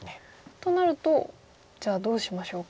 となるとじゃあどうしましょうか。